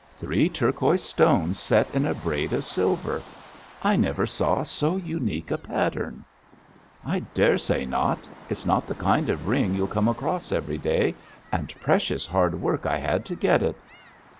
three turquoise stones set in a braid of silver. I never saw so unique a pattern.' 'I daresay not. It's not the kind of ring you'll come across every day, and precious hard work I had to get it.'